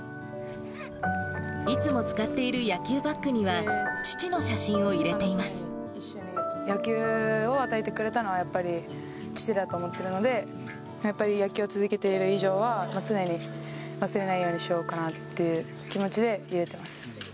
いつも使っている野球バッグ野球を与えてくれたのは、やっぱり父だと思ってるので、やっぱり野球を続けている以上は、常に忘れないようにしようかなっていう気持ちで入れてます。